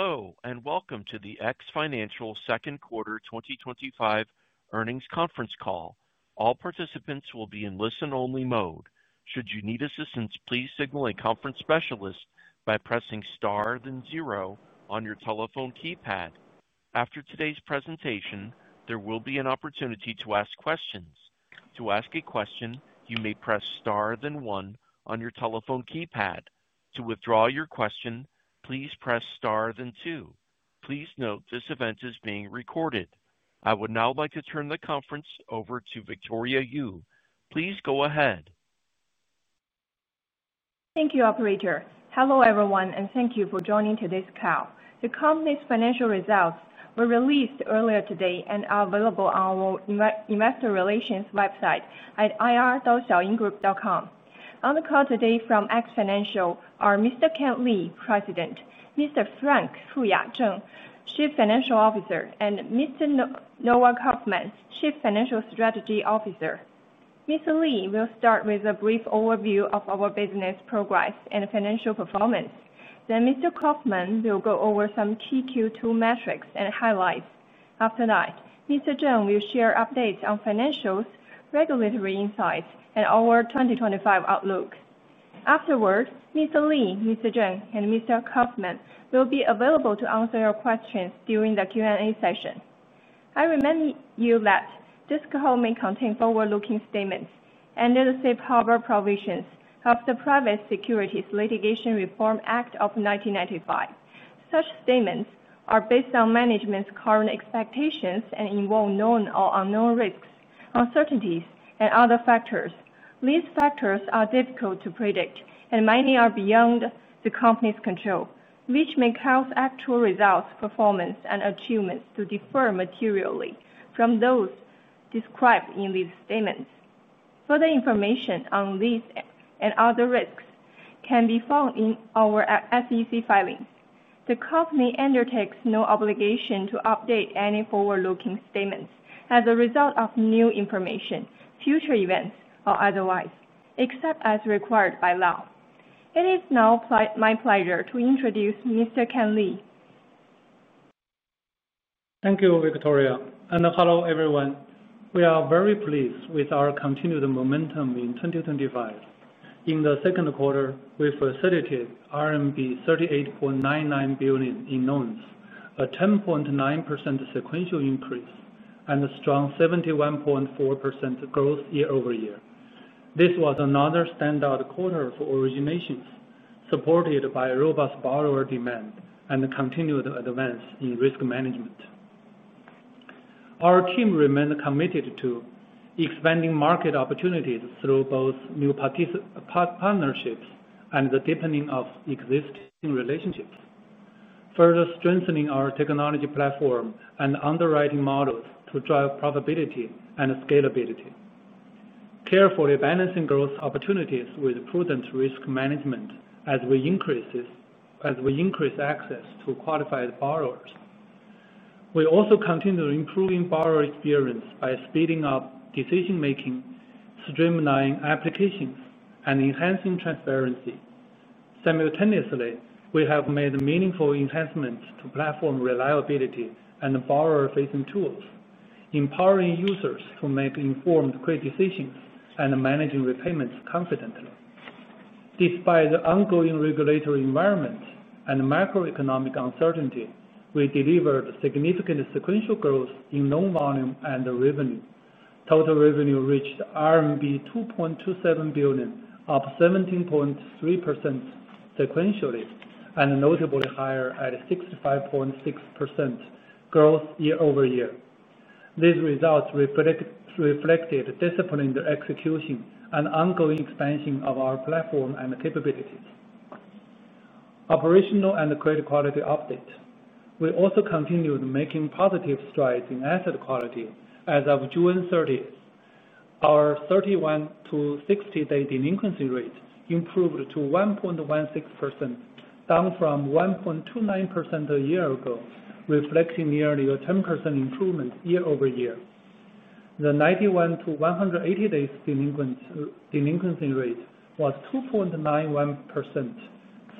Hello, and welcome to the X Financial Second Quarter 2025 Earnings Conference Call. All participants will be in listen-only mode. Should you need assistance, please signal a conference specialist by pressing star, then zero, on your telephone keypad. After today's presentation, there will be an opportunity to ask questions. To ask a question, you may press star, then one, on your telephone keypad. To withdraw your question, please press star, then two. Please note this event is being recorded. I would now like to turn the conference over to Victoria Yu. Please go ahead. Thank you, operator. Hello everyone, and thank you for joining today's call. The company's financial results were released earlier today and are available on our investor relations website at ir.xiaolinggroup.com. On the call today from X Financial are Mr. Kan Li, President, Mr. Frank Fuya Zheng, Chief Financial Officer, and Mr. Noah Kauffman, Chief Financial Strategy Officer. Mr. Li will start with a brief overview of our business progress and financial performance. Mr. Kauffman will go over some key Q2 metrics and highlights. After that, Mr. Zheng will share updates on financials, regulatory insights, and our 2025 outlook. Afterwards, Mr. Li, Mr. Zheng, and Mr. Kauffman will be available to answer your questions during the Q&A session. I remind you that this call may contain forward-looking statements and safe harbor provisions of the Private Securities Litigation Reform Act of 1995. Such statements are based on management's current expectations and involve known or unknown risks, uncertainties, and other factors. These factors are difficult to predict, and many are beyond the company's control, which may cause actual results, performance, and achievements to differ materially from those described in these statements. Further information on these and other risks can be found in our SEC filings. The company undertakes no obligation to update any forward-looking statements as a result of new information, future events, or otherwise, except as required by law. It is now my pleasure to introduce Mr. Kan Li. Thank you, Victoria, and hello everyone. We are very pleased with our continued momentum in 2025. In the second quarter, we facilitated RMB 38.99 billion in loans, a 10.9% sequential increase, and a strong 71.4% growth year-over-year. This was another standout quarter for originations, supported by robust borrower demand and continued advance in risk management. Our team remained committed to expanding market opportunities through both new partnerships and the deepening of existing relationships, further strengthening our technology platform and underwriting models to drive profitability and scalability, carefully balancing growth opportunities with prudent risk management as we increase access to qualified borrowers. We also continue improving borrower experience by speeding up decision-making, streamlining applications, and enhancing transparency. Simultaneously, we have made meaningful enhancements to platform reliability and borrower-facing tools, empowering users to make informed quick decisions and managing repayments confidently. Despite the ongoing regulatory environment and macroeconomic uncertainty, we delivered significant sequential growth in loan volume and revenue. Total revenue reached RMB 2.27 billion, up 17.3% sequentially, and notably higher at 65.6% growth year-over-year. These results reflected disciplined execution and ongoing expansion of our platform and capabilities. Operational and credit quality update. We also continued making positive strides in asset quality as of June 30. Our 31-to-60-day delinquency rate improved to 1.16%, down from 1.29% a year ago, reflecting nearly a 10% improvement year-over-year. The 91-to-180-day delinquency rate was 2.91%,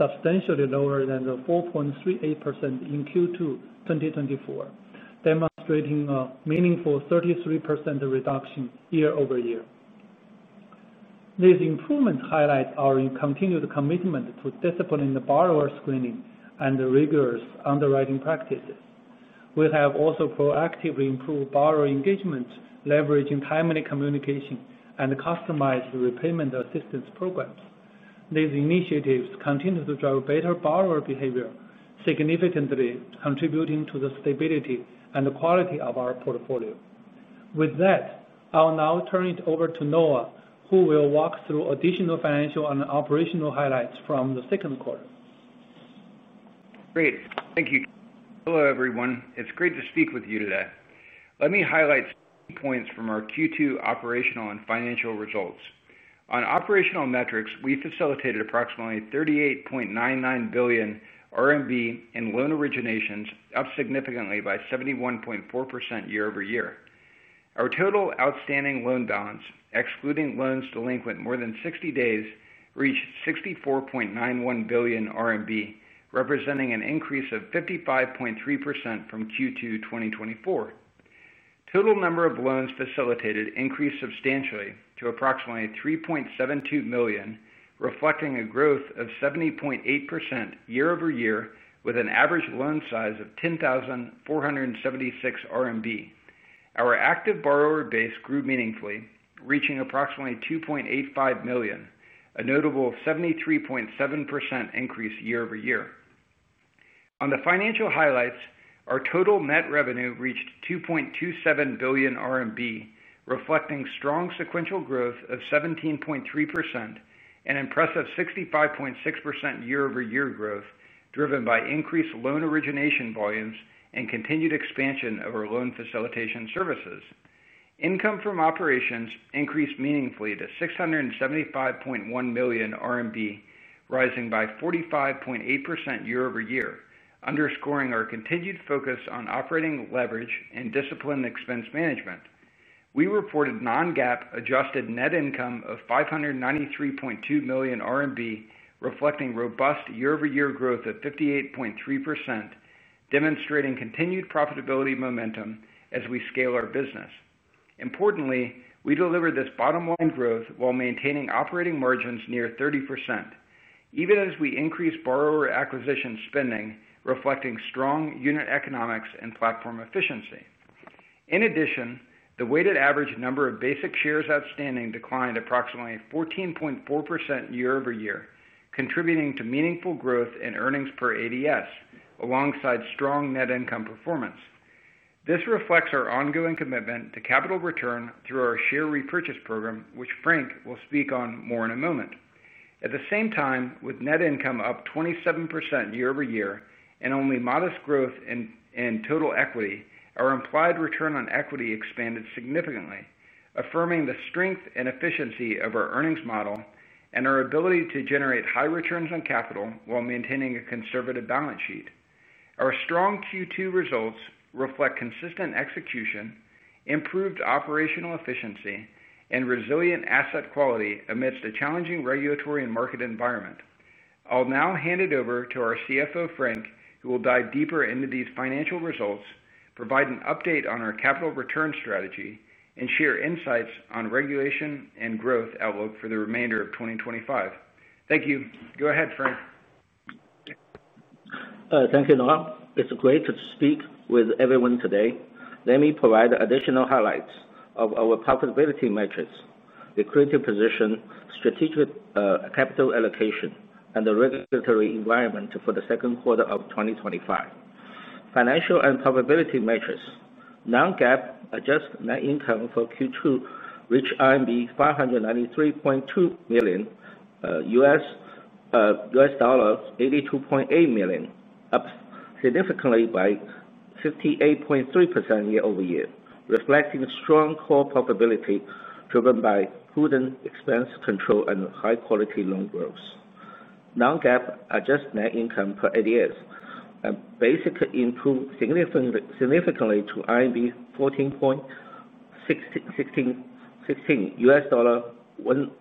substantially lower than the 4.38% in Q2 2024, demonstrating a meaningful 33% reduction year-over-year. These improvements highlight our continued commitment to disciplined borrower screening and rigorous underwriting practices. We have also proactively improved borrower engagement, leveraging timely communication and customized repayment assistance programs. These initiatives continue to drive better borrower behavior, significantly contributing to the stability and quality of our portfolio. With that, I'll now turn it over to Noah, who will walk through additional financial and operational highlights from the second quarter. Great, thank you. Hello everyone, it's great to speak with you today. Let me highlight points from our Q2 operational and financial results. On operational metrics, we facilitated approximately 38.99 billion RMB in loan originations, up significantly by 71.4% year-over-year. Our total outstanding loan bonds, excluding loans delinquent more than 60 days, reached 64.91 billion RMB, representing an increase of 55.3% from Q2 2024. Total number of loans facilitated increased substantially to approximately 3.72 million, reflecting a growth of 70.8% year-over-year with an average loan size of 10,476 RMB. Our active borrower base grew meaningfully, reaching approximately 2.85 million, a notable 73.7% increase year-over-year. On the financial highlights, our total net revenue reached 2.27 billion RMB, reflecting strong sequential growth of 17.3% and impressive 65.6% year-over-year growth, driven by increased loan origination volumes and continued expansion of our loan facilitation services. Income from operations increased meaningfully to 675.1 million RMB, rising by 45.8% year-over-year, underscoring our continued focus on operating leverage and disciplined expense management. We reported non-GAAP adjusted net income of 593.2 million RMB, reflecting robust year-over-year growth of 58.3%, demonstrating continued profitability momentum as we scale our business. Importantly, we delivered this bottom-line growth while maintaining operating margins near 30%, even as we increased borrower acquisition spending, reflecting strong unit economics and platform efficiency. In addition, the weighted average number of basic shares outstanding declined approximately 14.4% year-over-year, contributing to meaningful growth in earnings per ADS, alongside strong net income performance. This reflects our ongoing commitment to capital return through our share repurchase program, which Frank will speak on more in a moment. At the same time, with net income up 27% year-over-year and only modest growth in total equity, our implied return on equity expanded significantly, affirming the strength and efficiency of our earnings model and our ability to generate high returns on capital while maintaining a conservative balance sheet. Our strong Q2 results reflect consistent execution, improved operational efficiency, and resilient asset quality amidst a challenging regulatory and market environment. I'll now hand it over to our CFO, Frank, who will dive deeper into these financial results, provide an update on our capital return strategy, and share insights on regulation and growth outlook for the remainder of 2025. Thank you. Go ahead, Frank. Thank you, Noah. It's great to speak with everyone today. Let me provide additional highlights of our profitability metrics, the equity position, strategic capital allocation, and the regulatory environment for the second quarter of 2025. Financial and profitability metrics: non-GAAP adjusted net income for Q2 reached RMB 593.2 million, $82.8 million, up significantly by 58.3% year-over-year, reflecting strong core profitability driven by prudent expense control and high-quality loan growth. Non-GAAP adjusted net income per ADS basically improved significantly to RMB 14.16,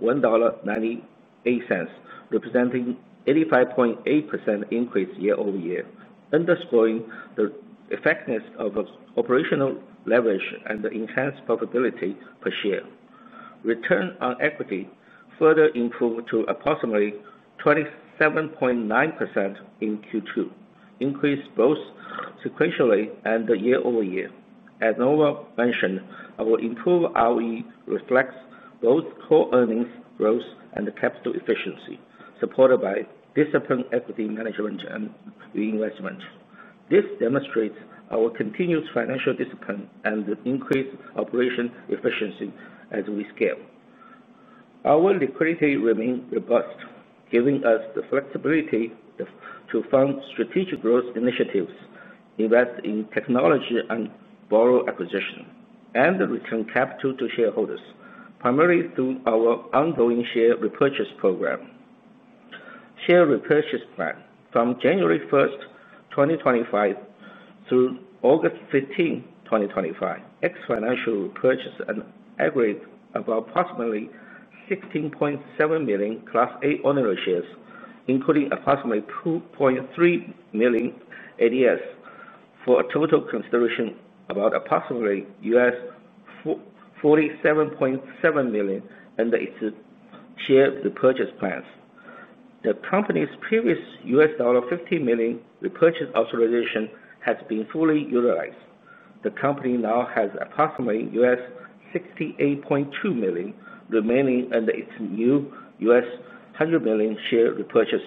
$1.98, representing 85.8% increase year-over-year, underscoring the effectiveness of operational leverage and the enhanced profitability per share. Return on equity further improved to approximately 27.9% in Q2, increased both sequentially and year-over-year. As Noah mentioned, our improved ROE reflects both core earnings growth and capital efficiency, supported by disciplined equity management and reinvestment. This demonstrates our continued financial discipline and increased operation efficiency as we scale. Our liquidity remains robust, giving us the flexibility to fund strategic growth initiatives, invest in technology and borrower acquisition, and return capital to shareholders, primarily through our ongoing share repurchase program. Share repurchase plan from January 1, 2025 through August 15, 2025, X Financial purchased and aggregated about approximately 16.7 million Class A owner shares, including approximately 2.3 million ADS, for a total consideration of about approximately $47.7 million under its share repurchase plans. The company's previous $50 million repurchase authorization has been fully utilized. The company now has approximately $68.2 million remaining under its new $100 million share repurchase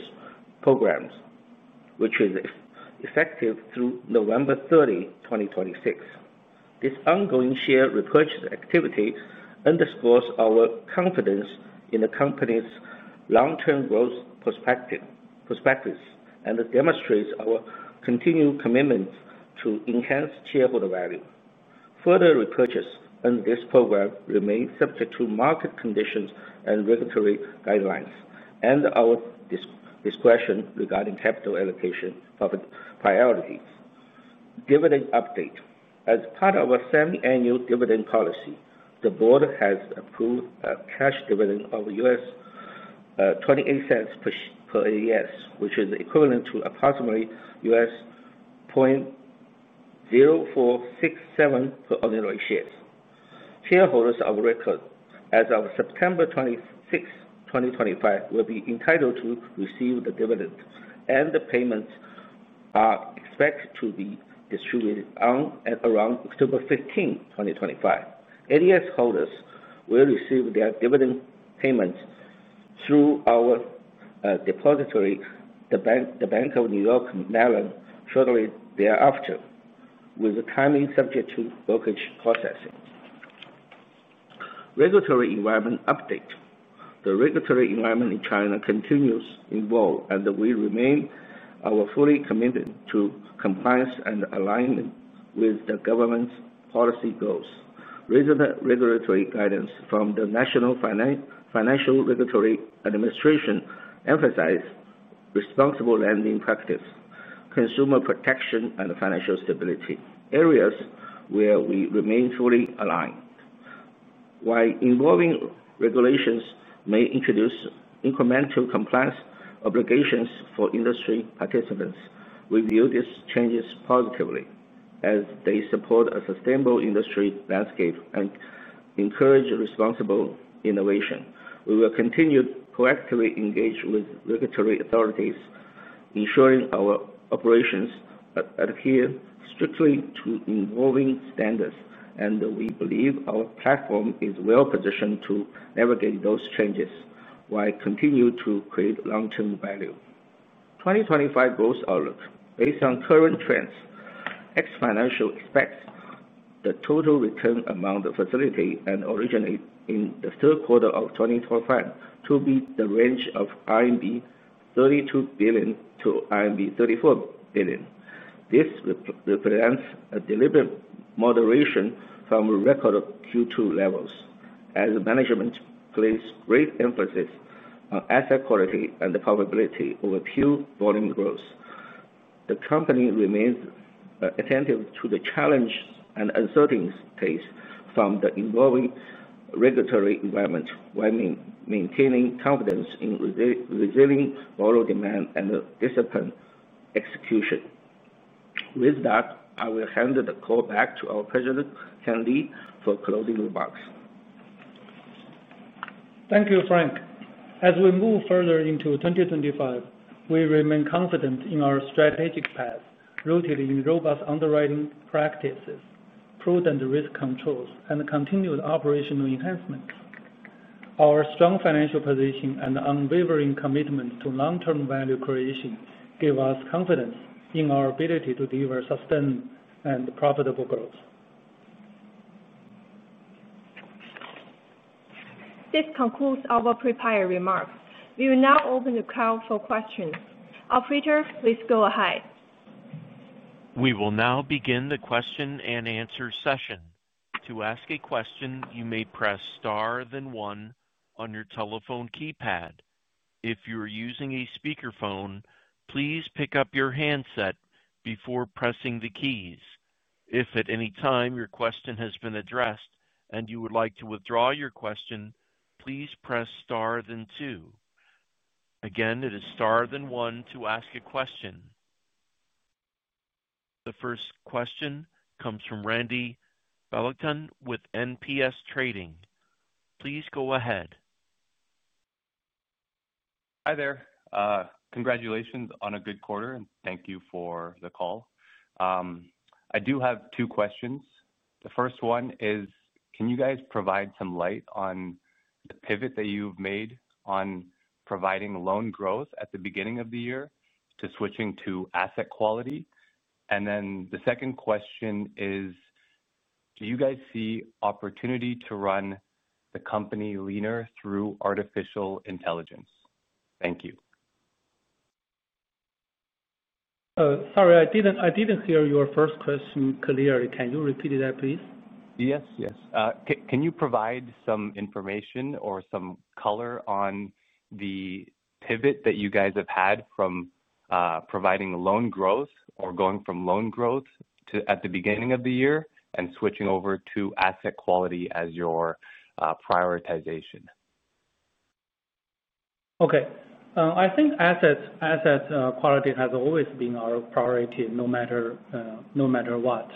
programs, which is effective through November 30, 2026. This ongoing share repurchase activity underscores our confidence in the company's long-term growth perspectives and demonstrates our continued commitment to enhance shareholder value. Further repurchase under this program remains subject to market conditions and regulatory guidelines, and our discretion regarding capital allocation priorities. Dividend update. As part of our semi-annual dividend policy, the board has approved a cash dividend of $0.28 per ADS, which is equivalent to approximately $0.0467 per owner share. Shareholders of record, as of September 26, 2025, will be entitled to receive the dividend, and the payments are expected to be distributed on and around October 15, 2025. ADS holders will receive their dividend payments through our depository, the Bank of New York Mellon, shortly thereafter, with the timing subject to brokerage processing. Regulatory environment update. The regulatory environment in China continues to evolve, and we remain fully committed to compliance and alignment with the government's policy goals. Regular regulatory guidance from the National Financial Regulatory Administration emphasizes responsible lending practices, consumer protection, and financial stability, areas where we remain fully aligned. While evolving regulations may introduce incremental compliance obligations for industry participants, we view these changes positively as they support a sustainable industry landscape and encourage responsible innovation. We will continue to proactively engage with regulatory authorities, ensuring our operations adhere strictly to evolving standards, and we believe our platform is well-positioned to navigate those changes while continuing to create long-term value. 2025 growth outlook. Based on current trends, X Financial expects the total return amount of facility and originate in the third quarter of 2025 to be in the range of 32 billion-34 billion RMB. This represents a deliberate moderation from record Q2 levels, as management places great emphasis on asset quality and profitability over pure volume growth. The company remains attentive to the challenges and uncertainties from the evolving regulatory environment while maintaining confidence in resilient borrower demand and disciplined execution. With that, I will hand the call back to our President Kan Li for closing remarks. Thank you, Frank. As we move further into 2025, we remain confident in our strategic path, rooted in robust underwriting practices, prudent risk controls, and continued operational enhancements. Our strong financial position and unwavering commitment to long-term value creation give us confidence in our ability to deliver sustained and profitable growth. This concludes our prepared remarks. We will now open the call for questions. Operator, please go ahead. We will now begin the question-and answer session. To ask a question, you may press star, then one on your telephone keypad. If you are using a speakerphone, please pick up your handset before pressing the keys. If at any time your question has been addressed and you would like to withdraw your question, please press star, then two. Again, it is star, then one to ask a question. The first question comes from Randy Vellachan with NPS Trading. Please go ahead. Hi there. Congratulations on a good quarter, and thank you for the call. I do have two questions. The first one is, can you guys provide some light on the pivot that you've made on providing loan growth at the beginning of the year to switching to asset quality? The second question is, do you guys see opportunity to run the company leaner through artificial intelligence? Thank you. Sorry, I didn't hear your first question clearly. Can you repeat that, please? Can you provide some information or some color on the pivot that you guys have had from providing loan growth at the beginning of the year and switching over to asset quality as your prioritization? Okay. I think asset quality has always been our priority no matter what.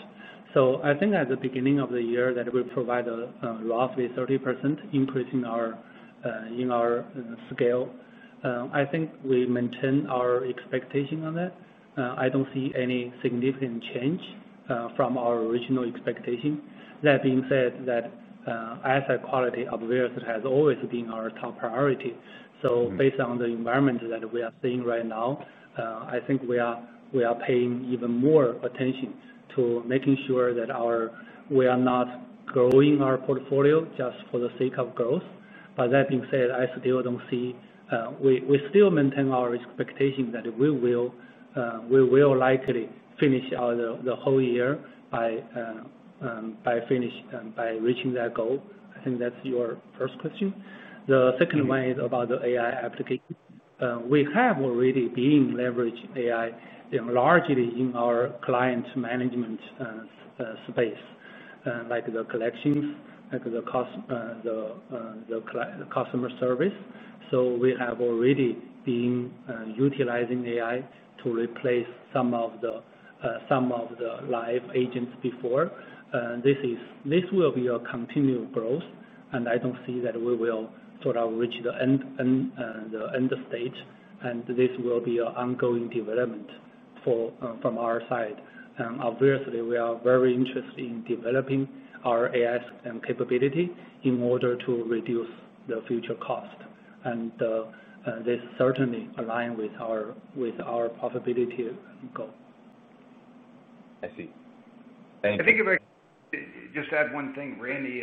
At the beginning of the year, we provided a roughly 30% increase in our scale. I think we maintain our expectation on that. I don't see any significant change from our original expectation. That being said, asset quality as well has always been our top priority. Based on the environment that we are seeing right now, I think we are paying even more attention to making sure that we are not growing our portfolio just for the sake of growth. That being said, I still don't see, we still maintain our expectation that we will likely finish out the whole year by reaching that goal. I think that's your first question. The second one is about the AI application. We have already been leveraging AI largely in our client management space, like the collections, like the customer service. We have already been utilizing AI to replace some of the live agents before. This will be a continued growth, and I don't see that we will sort of reach the end stage. This will be an ongoing development from our side. Obviously, we are very interested in developing our AI capability in order to reduce the future cost, and this certainly aligns with our profitability goal. I see. Thank you. I think if I could just add one thing, Randy,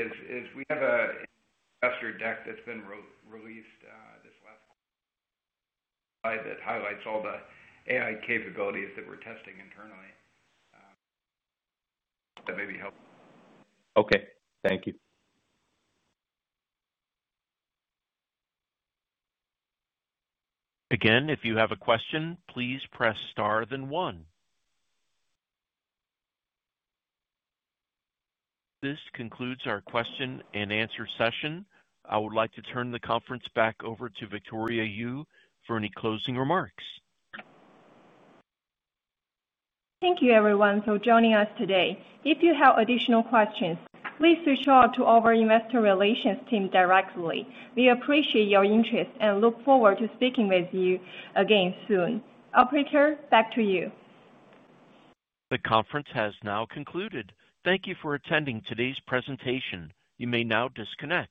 we have a master deck that's been released this last Friday that highlights all the AI capabilities that we're testing internally. That may be helpful. Okay, thank you. Again, if you have a question, please press star, then one. This concludes our question and answer session. I would like to turn the conference back over to Victoria Yu for any closing remarks. Thank you, everyone, for joining us today. If you have additional questions, please reach out to our investor relations team directly. We appreciate your interest and look forward to speaking with you again soon. Operator, back to you. The conference has now concluded. Thank you for attending today's presentation. You may now disconnect.